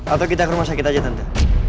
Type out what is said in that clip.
atau kita ke rumah sakit aja nanti